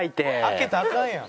「開けたらアカンやん」